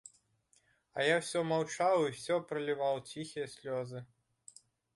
А я ўсё маўчаў і ўсё праліваў ціхія слёзы.